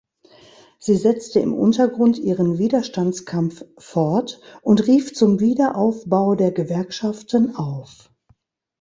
Sie setzte im Untergrund ihren Widerstandskampf fort und rief zum Wiederaufbau der Gewerkschaften auf.